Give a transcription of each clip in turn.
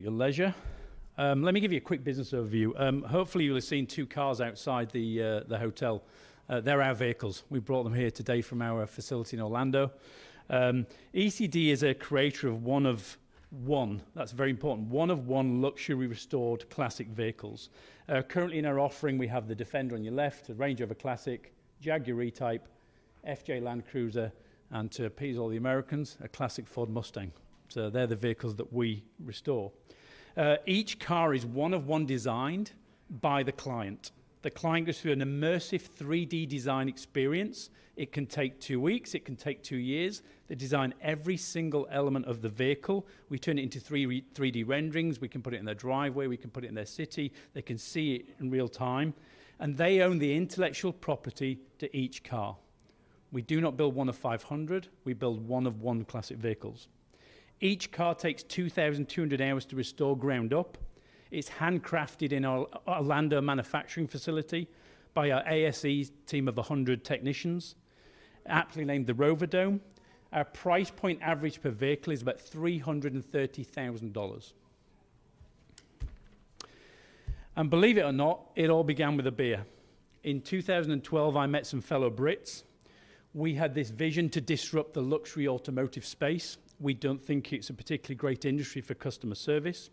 your leisure. Let me give you a quick business overview. Hopefully, you'll have seen two cars outside the hotel. They're our vehicles. We brought them here today from our facility in Orlando. ECD is a creator of one of one, that's very important, one of one luxury restored classic vehicles. Currently, in our offering, we have the Defender on your left, the Range Rover Classic, Jaguar E-Type, FJ Land Cruiser, and to appease all the Americans, a classic Ford Mustang. So they're the vehicles that we restore. Each car is one of one designed by the client. The client goes through an immersive 3D design experience. It can take two weeks. It can take two years. They design every single element of the vehicle. We turn it into 3D renderings. We can put it in their driveway. We can put it in their city. They can see it in real time. They own the intellectual property to each car. We do not build one of 500. We build one of one classic vehicles. Each car takes 2,200 hours to restore ground up. It's handcrafted in our Orlando manufacturing facility by our ASE team of 100 technicians, aptly named the Rover Dome. Our price point average per vehicle is about $330,000. Believe it or not, it all began with a beer. In 2012, I met some fellow Brits. We had this vision to disrupt the luxury automotive space. We don't think it's a particularly great industry for customer service.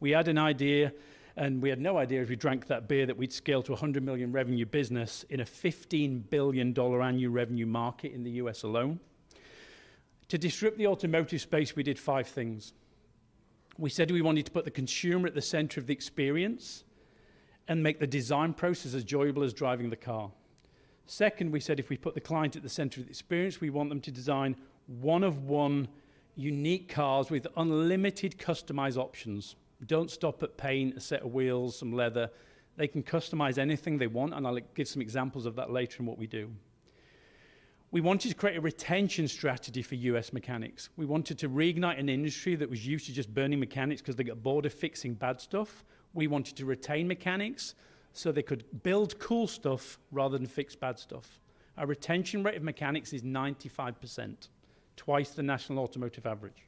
We had an idea, and we had no idea if we drank that beer that we'd scale to a $100 million revenue business in a $15 billion annual revenue market in the U.S. alone. To disrupt the automotive space, we did five things. We said we wanted to put the consumer at the center of the experience and make the design process as enjoyable as driving the car. Second, we said if we put the client at the center of the experience, we want them to design one of one unique cars with unlimited customized options. Don't stop at paint, a set of wheels, some leather. They can customize anything they want, and I'll give some examples of that later in what we do. We wanted to create a retention strategy for US mechanics. We wanted to reignite an industry that was used to just burning mechanics because they got bored of fixing bad stuff. We wanted to retain mechanics so they could build cool stuff rather than fix bad stuff. Our retention rate of mechanics is 95%, twice the national automotive average.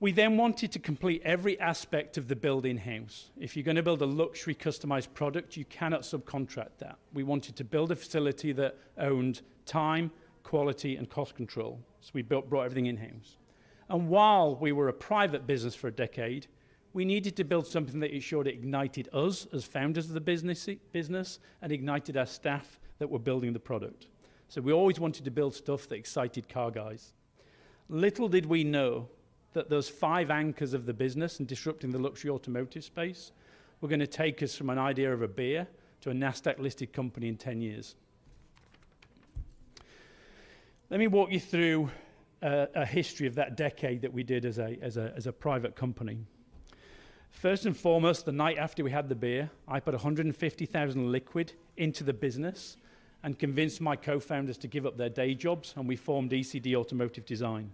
We then wanted to complete every aspect of the build in-house. If you're going to build a luxury customized product, you cannot subcontract that. We wanted to build a facility that owned time, quality, and cost control. So we brought everything in-house, and while we were a private business for a decade, we needed to build something that ensured it ignited us as founders of the business and ignited our staff that were building the product. So we always wanted to build stuff that excited car guys. Little did we know that those five anchors of the business and disrupting the luxury automotive space were going to take us from an idea over a beer to a Nasdaq-listed company in 10 years. Let me walk you through a history of that decade that we did as a private company. First and foremost, the night after we had the beer, I put $150,000 liquid into the business and convinced my co-founders to give up their day jobs, and we formed ECD Automotive Design.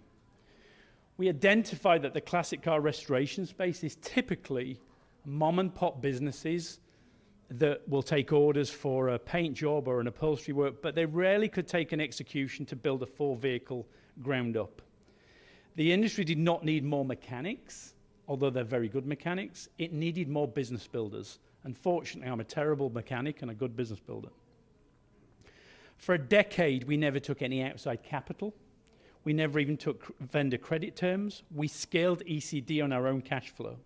We identified that the classic car restoration space is typically mom-and-pop businesses that will take orders for a paint job or an upholstery work, but they rarely could take an execution to build a full vehicle ground up. The industry did not need more mechanics, although they're very good mechanics. It needed more business builders. Unfortunately, I'm a terrible mechanic and a good business builder. For a decade, we never took any outside capital. We never even took vendor credit terms. We scaled ECD on our own cash flow.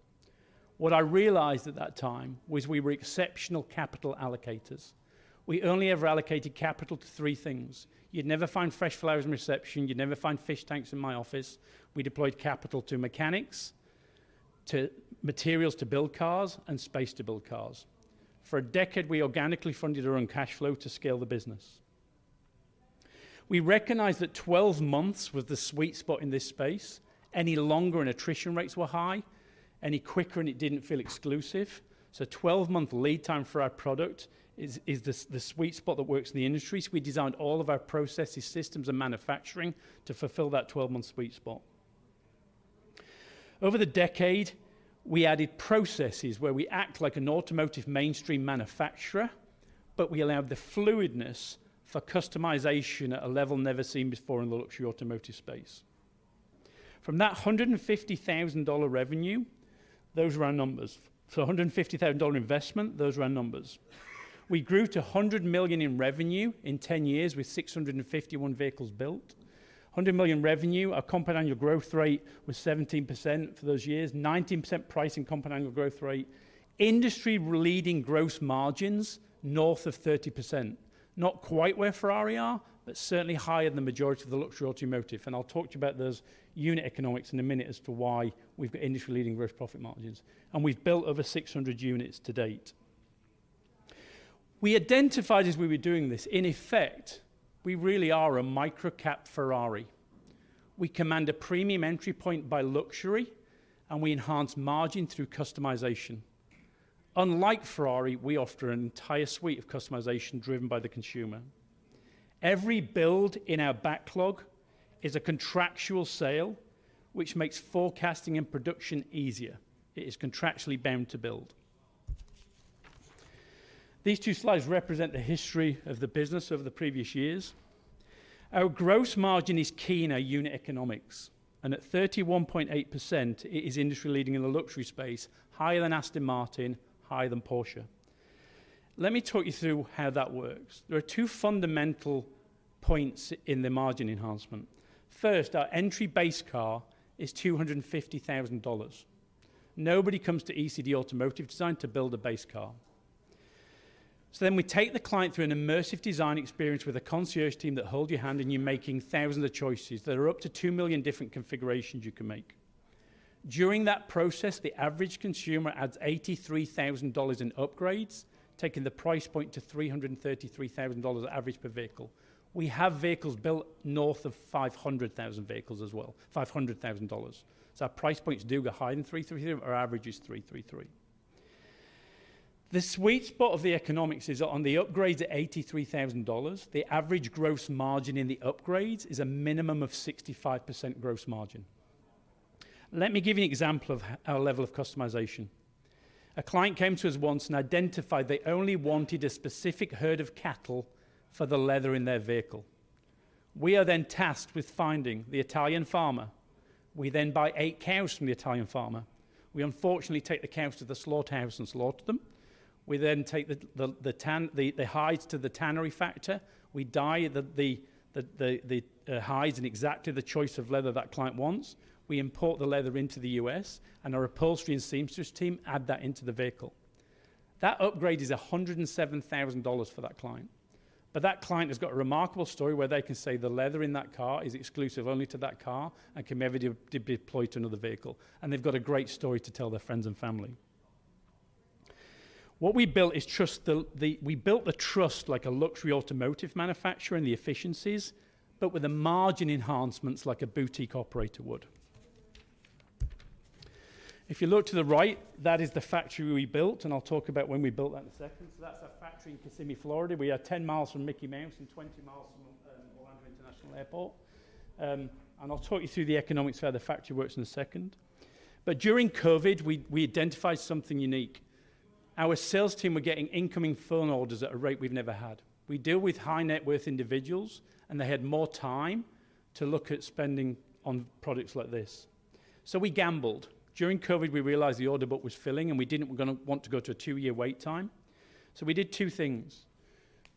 What I realized at that time was we were exceptional capital allocators. We only ever allocated capital to three things. You'd never find fresh flowers in reception. You'd never find fish tanks in my office. We deployed capital to mechanics, to materials to build cars, and space to build cars. For a decade, we organically funded our own cash flow to scale the business. We recognized that 12 months was the sweet spot in this space. Any longer, and attrition rates were high. Any quicker, and it didn't feel exclusive. So 12-month lead time for our product is the sweet spot that works in the industry. So we designed all of our processes, systems, and manufacturing to fulfill that 12-month sweet spot. Over the decade, we added processes where we act like an automotive mainstream manufacturer, but we allowed the fluidity for customization at a level never seen before in the luxury automotive space. From that $150,000 revenue, those were our numbers. So $150,000 investment, those were our numbers. We grew to $100 million in revenue in 10 years with 651 vehicles built. $100 million revenue, our compound annual growth rate was 17% for those years, 19% price and compound annual growth rate. Industry-leading gross margins north of 30%. Not quite where Ferrari are, but certainly higher than the majority of the luxury automotive. I'll talk to you about those unit economics in a minute as to why we've got industry-leading gross profit margins. We've built over 600 units to date. We identified as we were doing this, in effect, we really are a micro-cap Ferrari. We command a premium entry point by luxury, and we enhance margin through customization. Unlike Ferrari, we offer an entire suite of customization driven by the consumer. Every build in our backlog is a contractual sale, which makes forecasting and production easier. It is contractually bound to build. These two slides represent the history of the business over the previous years. Our gross margin is key in our unit economics, and at 31.8%, it is industry-leading in the luxury space, higher than Aston Martin, higher than Porsche. Let me talk you through how that works. There are two fundamental points in the margin enhancement. First, our entry base car is $250,000. Nobody comes to ECD Automotive Design to build a base car. So then we take the client through an immersive design experience with a concierge team that hold your hand and you're making thousands of choices. There are up to two million different configurations you can make. During that process, the average consumer adds $83,000 in upgrades, taking the price point to $333,000 average per vehicle. We have vehicles built north of $500,000 as well. Our price points do go higher than $333,000. Our average is $333,000. The sweet spot of the economics is on the upgrades at $83,000. The average gross margin in the upgrades is a minimum of 65% gross margin. Let me give you an example of our level of customization. A client came to us once and identified they only wanted a specific herd of cattle for the leather in their vehicle. We are then tasked with finding the Italian farmer. We then buy eight cows from the Italian farmer. We unfortunately take the cows to the slaughterhouse and slaughter them. We then take the hides to the tannery factory. We dye the hides in exactly the choice of leather that client wants. We import the leather into the U.S., and our upholstery and seamstress team add that into the vehicle. That upgrade is $107,000 for that client. But that client has got a remarkable story where they can say the leather in that car is exclusive only to that car and can never be deployed to another vehicle, and they've got a great story to tell their friends and family. What we built is trust. We built the trust like a luxury automotive manufacturer and the efficiencies, but with the margin enhancements like a boutique operator would. If you look to the right, that is the factory we built, and I'll talk about when we built that in a second, so that's our factory in Kissimmee, Florida. We are 10 miles from Mickey Mouse and 20 miles from Orlando International Airport, and I'll talk you through the economics of how the factory works in a second, but during COVID, we identified something unique. Our sales team were getting incoming phone orders at a rate we've never had. We deal with high-net-worth individuals, and they had more time to look at spending on products like this. So we gambled. During COVID, we realized the order book was filling, and we didn't want to go to a two-year wait time. So we did two things.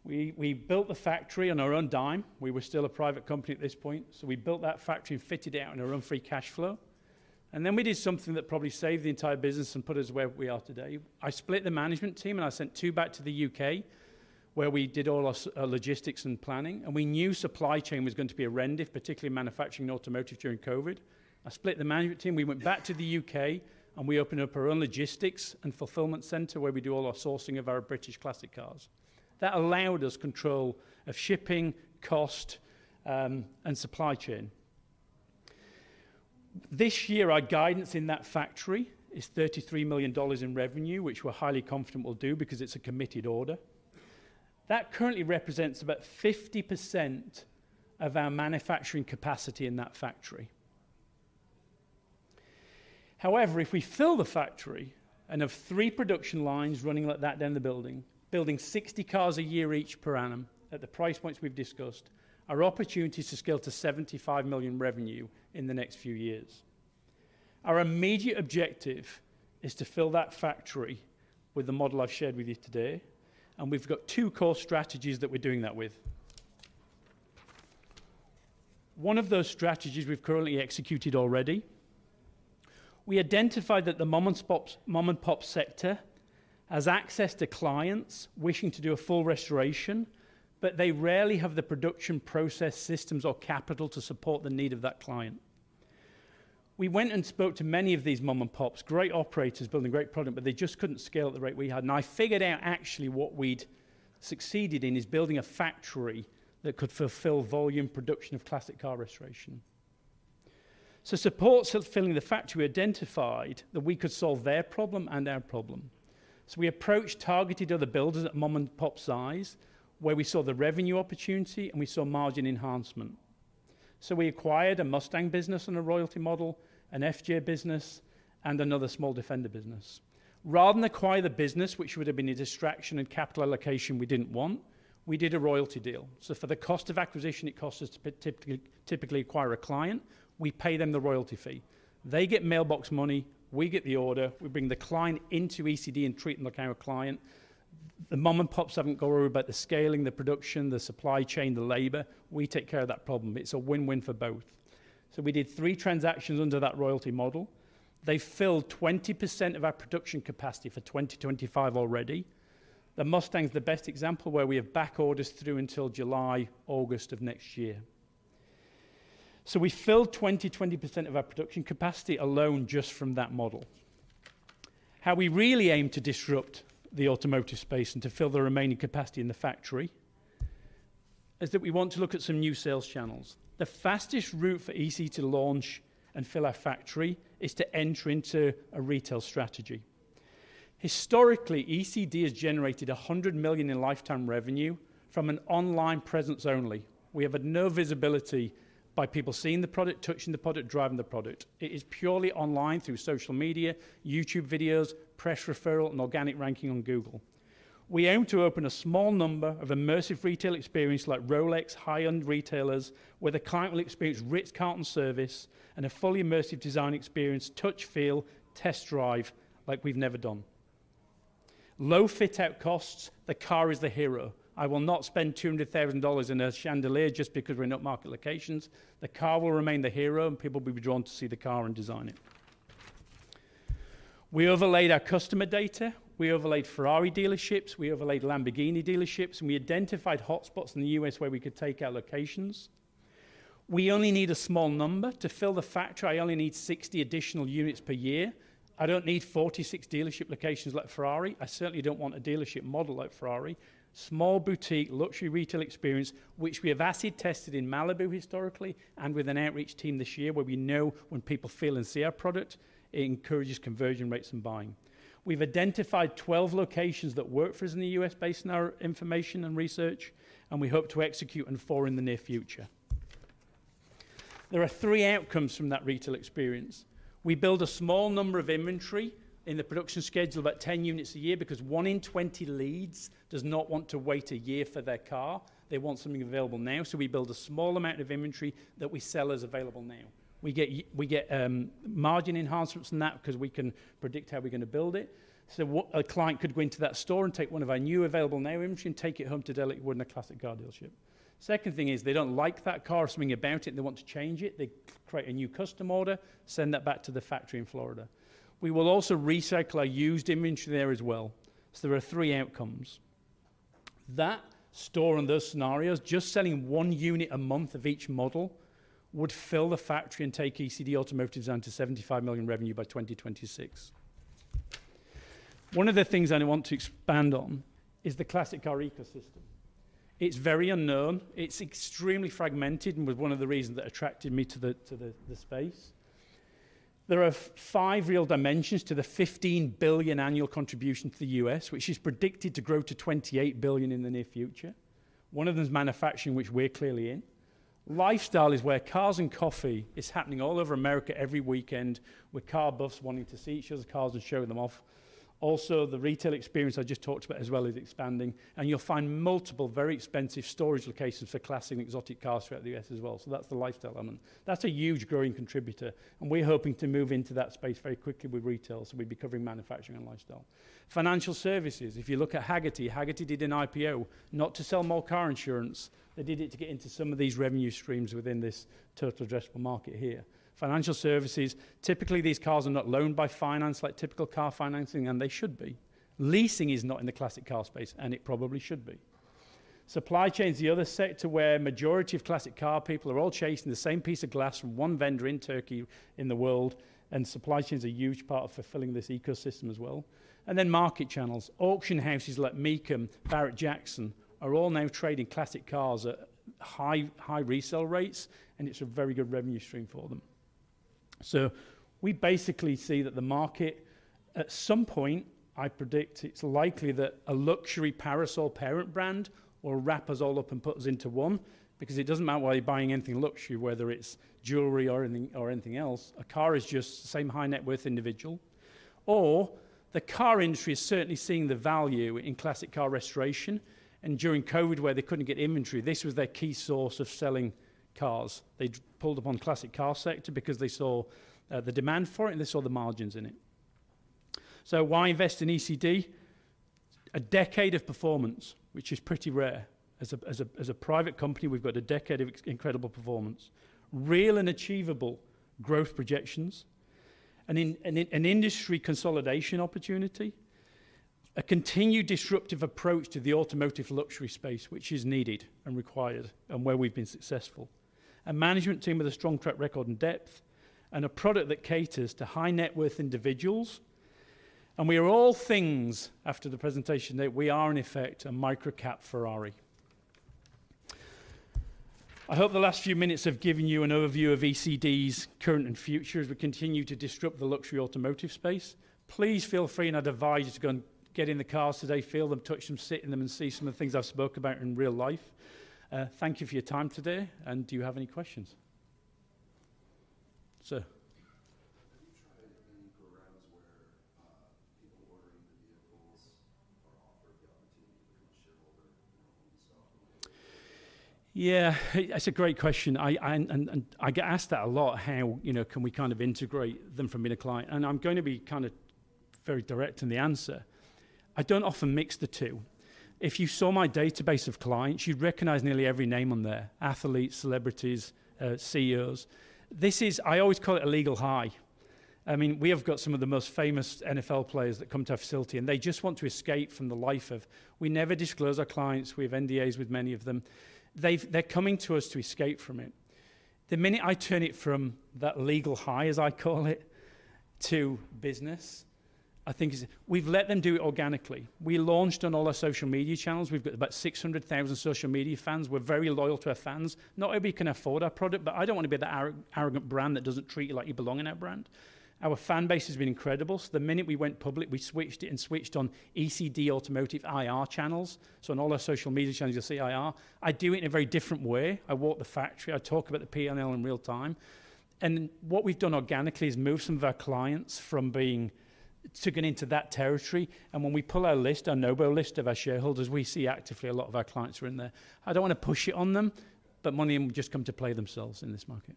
We built the factory on our own dime. We were still a private company at this point. So we built that factory and fitted it out in our own free cash flow. And then we did something that probably saved the entire business and put us where we are today. I split the management team, and I sent two back to the U.K. where we did all our logistics and planning. And we knew supply chain was going to be a wrench, particularly manufacturing and automotive during COVID. We went back to the U.K., and we opened up our own logistics and fulfillment center where we do all our sourcing of our British classic cars. That allowed us control of shipping, cost, and supply chain. This year, our guidance in that factory is $33 million in revenue, which we're highly confident we'll do because it's a committed order. That currently represents about 50% of our manufacturing capacity in that factory. However, if we fill the factory and have three production lines running like that down the building, building 60 cars a year each per annum at the price points we've discussed, our opportunity is to scale to $75 million revenue in the next few years. Our immediate objective is to fill that factory with the model I've shared with you today, and we've got two core strategies that we're doing that with. One of those strategies we've currently executed already. We identified that the mom-and-pop sector has access to clients wishing to do a full restoration, but they rarely have the production process systems or capital to support the need of that client. We went and spoke to many of these mom-and-pops, great operators building great product, but they just couldn't scale at the rate we had. And I figured out actually what we'd succeeded in is building a factory that could fulfill volume production of classic car restoration. So supporters of filling the factory identified that we could solve their problem and our problem. So we approached, targeted other builders at mom-and-pop size where we saw the revenue opportunity and we saw margin enhancement. So we acquired a Mustang business on a royalty model, an FJ business, and another small defender business. Rather than acquire the business, which would have been a distraction and capital allocation we didn't want, we did a royalty deal. So for the cost of acquisition, it costs us to typically acquire a client. We pay them the royalty fee. They get mailbox money. We get the order. We bring the client into ECD and treat them like our client. The mom-and-pops haven't got to worry about the scaling, the production, the supply chain, the labor. We take care of that problem. It's a win-win for both. So we did three transactions under that royalty model. They filled 20% of our production capacity for 2025 already. The Mustang's the best example where we have back orders through until July, August of next year. So we filled 20% of our production capacity alone just from that model. How we really aim to disrupt the automotive space and to fill the remaining capacity in the factory is that we want to look at some new sales channels. The fastest route for ECD to launch and fill our factory is to enter into a retail strategy. Historically, ECD has generated $100 million in lifetime revenue from an online presence only. We have no visibility by people seeing the product, touching the product, driving the product. It is purely online through social media, YouTube videos, press referral, and organic ranking on Google. We aim to open a small number of immersive retail experiences like Rolex, high-end retailers, where the client will experience Ritz-Carlton service and a fully immersive design experience, touch, feel, test drive like we've never done. Low fit-out costs, the car is the hero. I will not spend $200,000 in a chandelier just because we're in upmarket locations. The car will remain the hero, and people will be drawn to see the car and design it. We overlaid our customer data. We overlaid Ferrari dealerships. We overlaid Lamborghini dealerships. We identified hotspots in the U.S. where we could take our locations. We only need a small number to fill the factory. I only need 60 additional units per year. I don't need 46 dealership locations like Ferrari. I certainly don't want a dealership model like Ferrari. Small boutique luxury retail experience, which we have acid tested in Malibu historically and with an outreach team this year, where we know when people feel and see our product, it encourages conversion rates and buying. We've identified 12 locations that work for us in the U.S. based on our information and research, and we hope to execute in four in the near future. There are three outcomes from that retail experience. We build a small number of inventory in the production schedule about 10 units a year because one in 20 leads does not want to wait a year for their car. They want something available now. So we build a small amount of inventory that we sell as available now. We get margin enhancements in that because we can predict how we're going to build it. So a client could go into that store and take one of our new available now inventory and take it home today, like you would in a classic car dealership. Second thing is they don't like that car or something about it, and they want to change it. They create a new custom order, send that back to the factory in Florida. We will also recycle our used inventory there as well. So there are three outcomes. That shows on those scenarios, just selling one unit a month of each model, would fill the factory and take ECD Automotive Design to $75 million revenue by 2026. One of the things I want to expand on is the classic car ecosystem. It's very unknown. It's extremely fragmented and was one of the reasons that attracted me to the space. There are five real dimensions to the $15 billion annual contribution to the U.S., which is predicted to grow to $28 billion in the near future. One of them is manufacturing, which we're clearly in. Lifestyle is where Cars and Coffee is happening all over America every weekend with car buffs wanting to see each other's cars and showing them off. Also, the retail experience I just talked about as well is expanding. You'll find multiple very expensive storage locations for classic and exotic cars throughout the U.S. as well. That's the lifestyle element. That's a huge growing contributor. We're hoping to move into that space very quickly with retail. We'll be covering manufacturing and lifestyle. Financial services, if you look at Hagerty, Hagerty did an IPO not to sell more car insurance. They did it to get into some of these revenue streams within this total addressable market here. Financial services, typically these cars are not loaned by finance like typical car financing, and they should be. Leasing is not in the classic car space, and it probably should be. Supply chain is the other sector where a majority of classic car people are all chasing the same piece of glass from one vendor in Turkey in the world. Supply chain is a huge part of fulfilling this ecosystem as well. Market channels. Auction houses like Mecum, Barrett-Jackson are all now trading classic cars at high resale rates, and it's a very good revenue stream for them. We basically see that the market at some point, I predict it's likely that a luxury umbrella parent brand or wraps it all up and puts it into one because it doesn't matter why you're buying anything luxury, whether it's jewelry or anything else, a car is just the same for the high-net-worth individual. The car industry is certainly seeing the value in classic car restoration. During COVID, where they couldn't get inventory, this was their key source of selling cars. They pulled up on the classic car sector because they saw the demand for it and they saw the margins in it. So why invest in ECD? A decade of performance, which is pretty rare. As a private company, we've got a decade of incredible performance. Real and achievable growth projections. An industry consolidation opportunity. A continued disruptive approach to the automotive luxury space, which is needed and required and where we've been successful. A management team with a strong track record and depth and a product that caters to high-net-worth individuals. And we are all things after the presentation that we are in effect a micro-cap Ferrari. I hope the last few minutes have given you an overview of ECD's current and future as we continue to disrupt the luxury automotive space. Please feel free and I'd advise you to go and get in the cars today, feel them, touch them, sit in them and see some of the things I've spoke about in real life. Thank you for your time today. And do you have any questions? Sir. Have you tried any programs where people ordering the vehicles are offered the opportunity to become a shareholder in their own stock? Yeah, that's a great question. I get asked that a lot, how can we kind of integrate them from being a client? And I'm going to be kind of very direct in the answer. I don't often mix the two. If you saw my database of clients, you'd recognize nearly every name on there: athletes, celebrities, CEOs. I always call it a legal high. I mean, we have got some of the most famous NFL players that come to our facility, and they just want to escape from the life. We never disclose our clients. We have NDAs with many of them. They're coming to us to escape from it. The minute I turn it from that legal high, as I call it, to business, I think we've let them do it organically. We launched on all our social media channels. We've got about 600,000 social media fans. We're very loyal to our fans. Not everybody can afford our product, but I don't want to be that arrogant brand that doesn't treat you like you belong in our brand. Our fan base has been incredible. So the minute we went public, we switched it and switched on ECD Automotive IR channels. So on all our social media channels, you'll see IR. I do it in a very different way. I walk the factory. I talk about the P&L in real time. And what we've done organically is moved some of our clients from being to get into that territory. When we pull our list, our noble list of our shareholders, we see actively a lot of our clients are in there. I don't want to push it on them, but money will just come to play themselves in this market.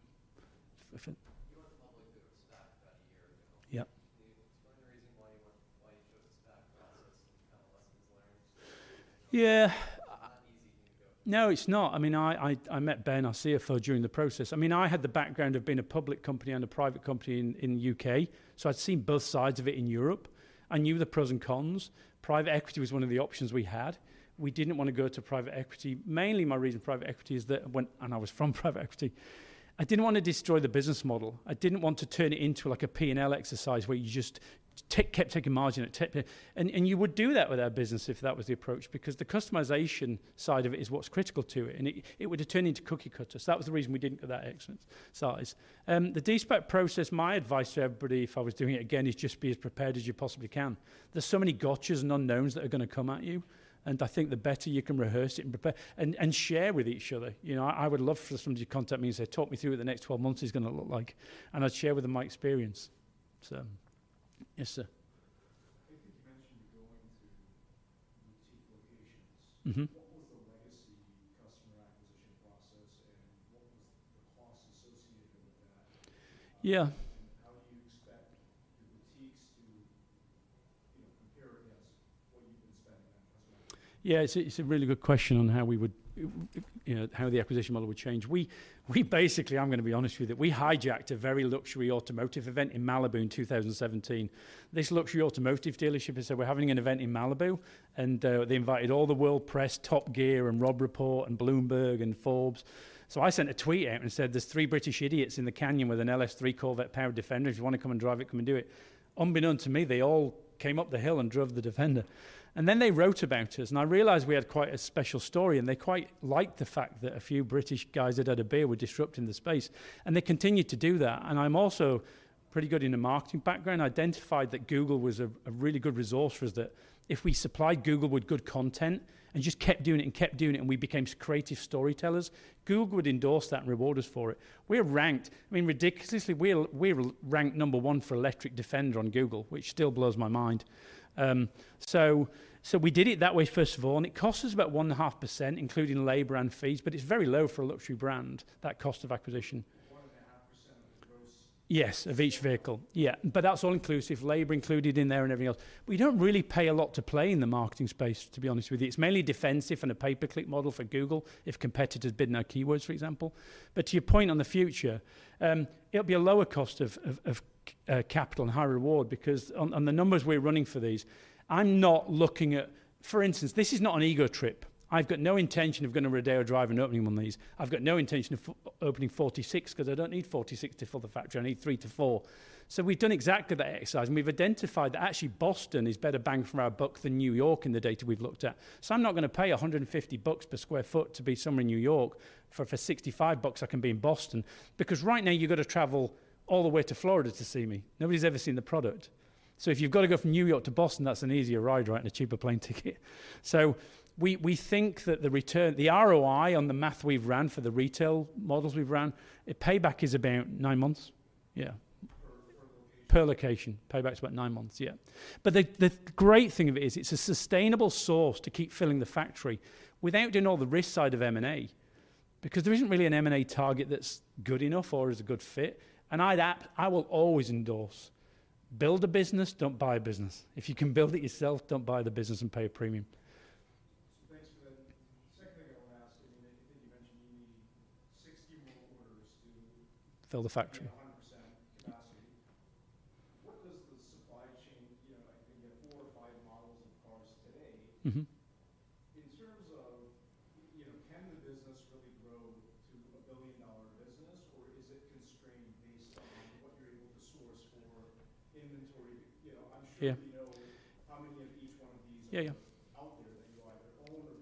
You went public through a SPAC about a year ago. Can you explain the reason why you chose a SPAC process and kind of lessons learned? Yeah. It's not an easy thing to go. No, it's not. I mean, I met Ben, our CFO, during the process. I mean, I had the background of being a public company and a private company in the U.K. So I'd seen both sides of it in Europe. I knew the pros and cons. Private equity was one of the options we had. We didn't want to go to private equity. Mainly, my reason for private equity is that when I was in private equity, I didn't want to destroy the business model. I didn't want to turn it into like a P&L exercise where you just kept taking margin at the top. And you would do that with our business if that was the approach because the customization side of it is what's critical to it. And it would turn into cookie cutters. That was the reason we didn't go that route. The de-SPAC process, my advice to everybody if I was doing it again is just be as prepared as you possibly can. There's so many gotchas and unknowns that are going to come at you. And I think the better you can rehearse it and share with each other. I would love for somebody to contact me and say, "Talk me through what the next 12 months is going to look like." And I'd share with them my experience. Yes, sir. I think you mentioned going to boutique locations. What was the legacy customer acquisition process and what was the cost associated with that? Yeah. And how do you expect your boutiques to compare against what you've been spending on customer acquisition? Yeah, it's a really good question on how the acquisition model would change. Basically, I'm going to be honest with you, we hijacked a very luxury automotive event in Malibu in 2017. This luxury automotive dealership had said, "We're having an event in Malibu." And they invited all the world press, Top Gear and Robb Report and Bloomberg and Forbes. I sent a tweet out and said, "There's three British idiots in the canyon with an LS3 Corvette-powered Defender. If you want to come and drive it, come and do it." Unbeknownst to me, they all came up the hill and drove the Defender. Then they wrote about us. I realized we had quite a special story. They quite liked the fact that a few British guys had had a beer were disrupting the space. They continued to do that. I'm also pretty good in a marketing background. I identified that Google was a really good resource for us that if we supplied Google with good content and just kept doing it and kept doing it and we became creative storytellers, Google would endorse that and reward us for it. We're ranked, I mean, ridiculously. We're ranked number one for Electric Defender on Google, which still blows my mind. So we did it that way, first of all. And it costs us about 1.5%, including labor and fees, but it's very low for a luxury brand, that cost of acquisition. 1.5% of the gross. Yes, of each vehicle. Yeah. But that's all inclusive, labor included in there and everything else. We don't really pay a lot to play in the marketing space, to be honest with you. It's mainly defensive and a pay-per-click model for Google if competitors bid on keywords, for example. But to your point on the future, it'll be a lower cost of capital and higher reward because on the numbers we're running for these, I'm not looking at, for instance, this is not an ego trip. I've got no intention of going to Rodeo Drive and opening one of these. I've got no intention of opening 46 because I don't need 46 to fill the factory. I need three to four. So we've done exactly that exercise, and we've identified that actually Boston is better bang for our buck than New York in the data we've looked at. So I'm not going to pay $150 per sq ft to be somewhere in New York. For $65, I can be in Boston because right now you've got to travel all the way to Florida to see me. Nobody's ever seen the product. So if you've got to go from New York to Boston, that's an easier ride, right, and a cheaper plane ticket. So we think that the return, the ROI on the math we've run for the retail models we've run, payback is about nine months. Yeah. Per location. Per location. Payback's about nine months. Yeah. But the great thing of it is it's a sustainable source to keep filling the factory without doing all the risk side of M&A because there isn't really an M&A target that's good enough or is a good fit. And I will always endorse, build a business, don't buy a business. If you can build it yourself, don't buy the business and pay a premium. Thanks for that. Second thing I want to ask is you mentioned you need 60 more orders to fill the factory to 100% capacity. What does the supply chain, you know, I think you have four or five models of cars today. In terms of can the business really grow to a billion-dollar business, or is it constrained based on what you're able to source for inventory? I'm sure we know how many of each one of these are out there that you either own or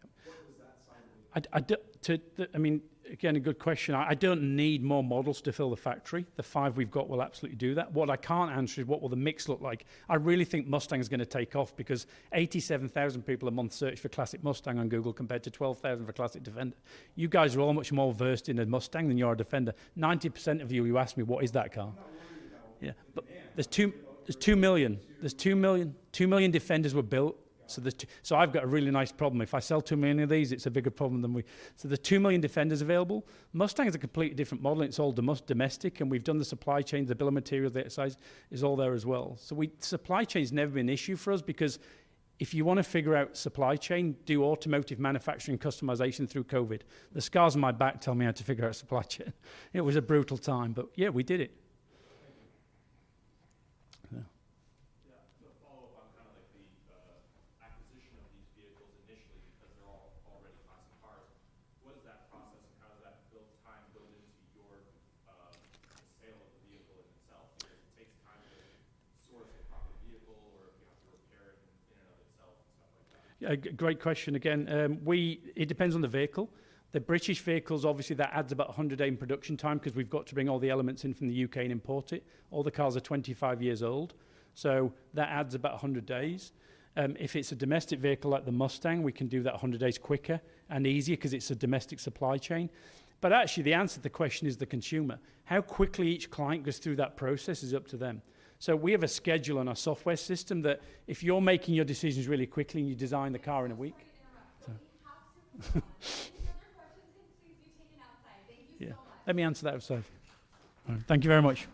could potentially acquire. What does that side of it? I mean, again, a good question. I don't need more models to fill the factory. The five we've got will absolutely do that. What I can't answer is what will the mix look like? I really think Mustang is going to take off because 87,000 people a month search for classic Mustang on Google compared to 12,000 for classic Defender. You guys are all much more versed in a Mustang than you are a Defender. 90% of you, you asked me, what is that car? Yeah. But there's 2 million. There's 2 million. Two million Defenders were built. So I've got a really nice problem. If I sell two million of these, it's a bigger problem than we. So there's two million Defenders available. Mustang is a completely different model. It's all domestic. And we've done the supply chain, the bill of materials, the exercise is all there as well. So supply chain has never been an issue for us because if you want to figure out supply chain, do automotive manufacturing customization through COVID. The scars on my back tell me how to figure out supply chain. It was a brutal time. But yeah, we did it. So we have a schedule on our software system that if you're making your decisions really quickly and you design the car in a week. Another question since we've taken outside. Thank you so much. Let me answer that outside. Thank you very much.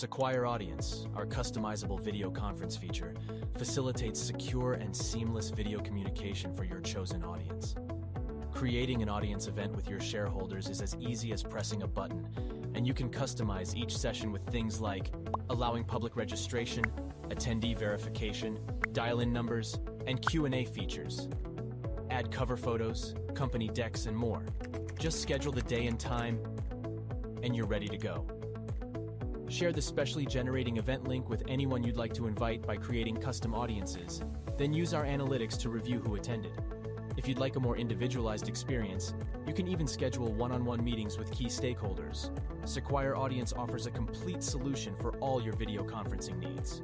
Thanks. Sequire Audience, our customizable video conference feature, facilitates secure and seamless video communication for your chosen audience. Creating an audience event with your shareholders is as easy as pressing a button, and you can customize each session with things like allowing public registration, attendee verification, dial-in numbers, and Q&A features. Add cover photos, company decks, and more. Just schedule the day and time, and you're ready to go. Share the specially generated event link with anyone you'd like to invite by creating custom audiences, then use our analytics to review who attended. If you'd like a more individualized experience, you can even schedule one-on-one meetings with key stakeholders. Sequire Audience offers a complete solution for all your video conferencing needs.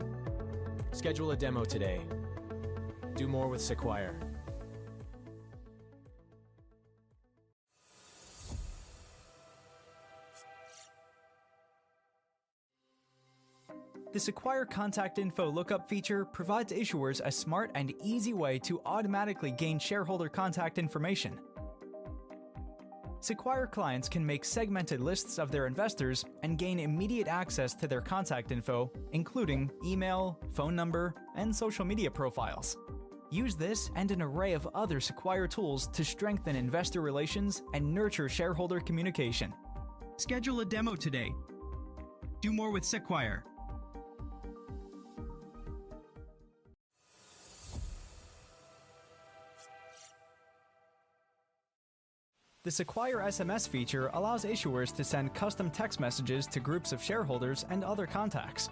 Schedule a demo today. Do more with Sequire. The Sequire Contact Info Lookup feature provides issuers a smart and easy way to automatically gain shareholder contact information. Sequire clients can make segmented lists of their investors and gain immediate access to their contact info, including email, phone number, and social media profiles. Use this and an array of other Sequire tools to strengthen investor relations and nurture shareholder communication. Schedule a demo today. Do more with Sequire. The Sequire SMS feature allows issuers to send custom text messages to groups of shareholders and other contacts.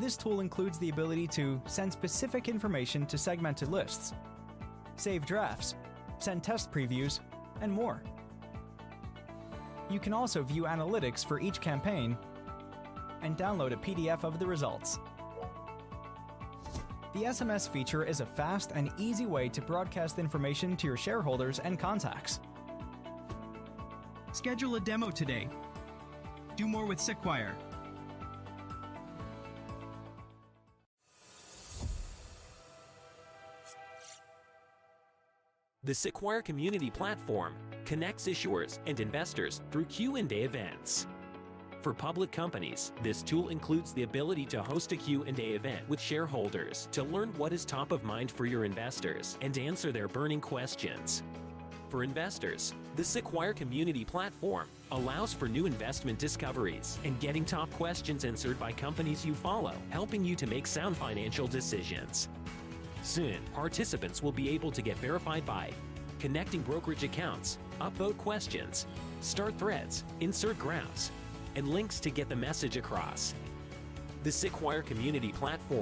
This tool includes the ability to send specific information to segmented lists, save drafts, send test previews, and more. You can also view analytics for each campaign and download a PDF of the results. The SMS feature is a fast and easy way to broadcast information to your shareholders and contacts. Schedule a demo today. Do more with Sequire. The Sequire Community Platform connects issuers and investors through Q&A events. For public companies, this tool includes the ability to host a Q&A event with shareholders to learn what is top of mind for your investors and answer their burning questions. For investors, the Sequire Community Platform allows for new investment discoveries and getting top questions answered by companies you follow, helping you to make sound financial decisions. Soon, participants will be able to get verified by connecting brokerage accounts, upvote questions, start threads, insert graphs, and links to get the message across. The Sequire Community Platform.